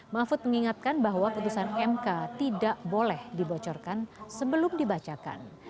mahfud mengingatkan bahwa putusan mk tidak boleh dibocorkan sebelum dibacakan